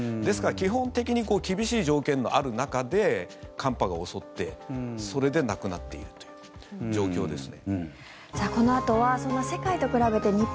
基本的に厳しい条件のある中で寒波が襲ってそれで亡くなっているという状況ですね。